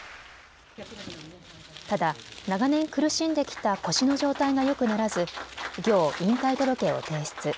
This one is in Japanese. ただ長年苦しんできた腰の状態がよくならずきょう引退届を提出。